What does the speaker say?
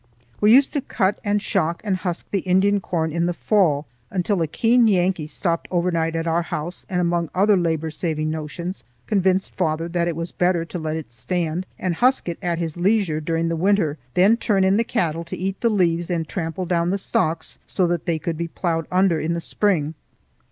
We used to cut and shock and husk the Indian corn in the fall, until a keen Yankee stopped overnight at our house and among other labor saving notions convinced father that it was better to let it stand, and husk it at his leisure during the winter, then turn in the cattle to eat the leaves and trample down the stalks, so that they could be ploughed under in the spring.